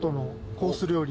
コース料理。